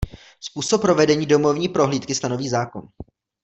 Způsob provedení domovní prohlídky stanoví zákon.